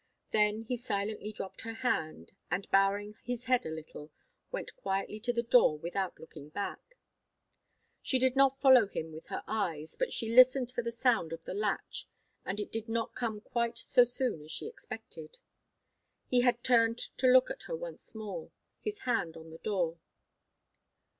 Then he silently dropped her hand, and bowing his head a little, went quietly to the door without looking back. She did not follow him with her eyes, but she listened for the sound of the latch, and it did not come quite so soon as she expected. He had turned to look at her once more, his hand on the door.